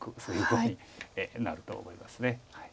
そういうふうになると思います。